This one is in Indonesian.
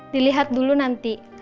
dilihat dulu nanti